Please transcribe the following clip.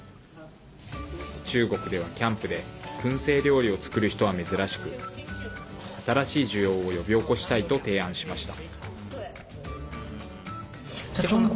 中国では、キャンプでくん製料理を作る人は珍しく新しい需要を呼び起こしたいと提案しました。